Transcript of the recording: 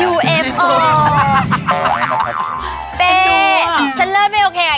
ฉันเริ่มไม่โอเคกับแกแล้วว่าเขาไปพูดเสียงอังกฤษอ่ะ